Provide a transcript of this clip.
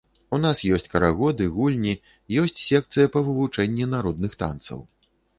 У нас ёсць карагоды, гульні, ёсць секцыя па вывучэнні народных танцаў.